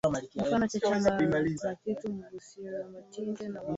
binafsi wa tatu mawaziri wa ulinzi wa Marekani kabla ya mwaka elfu moja mia